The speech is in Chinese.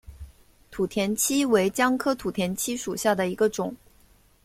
土田七为姜科土田七属下的一个种。